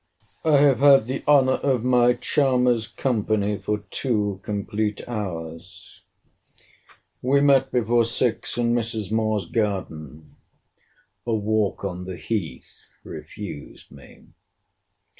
I have had the honour of my charmer's company for two complete hours. We met before six in Mrs. Moore's garden. A walk on the Heath refused me.